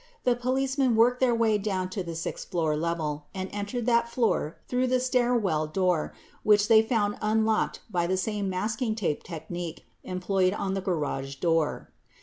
The policemen worked their way down to the sixth floor level and entered that floor through the stair well door which they found unlocked by the same masking tape tech nique employed on the garage door.